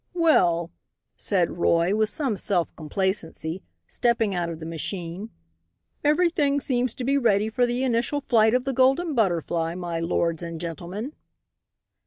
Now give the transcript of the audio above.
"Well," said Roy, with some self complacency, stepping out of the machine, "everything seems to be ready for the initial flight of the Golden Butterfly, my lords and gentlemen."